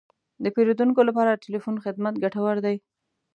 د پیرودونکو لپاره د تلیفون خدمت ګټور دی.